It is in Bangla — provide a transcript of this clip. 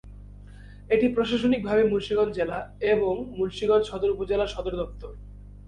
এটি প্রশাসনিকভাবে মুন্সিগঞ্জ জেলা এবং মুন্সিগঞ্জ সদর উপজেলার সদরদপ্তর।